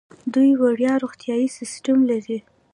دوی وړیا روغتیايي سیستم لري.